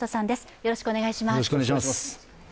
よろしくお願いします。